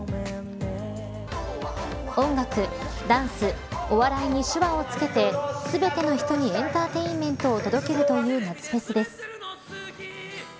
音楽、ダンス、お笑いに手話をつけて全ての人にエンターテインメントを届けるという夏フェスです。